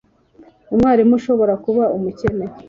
Umwarimu ashobora kuba umukene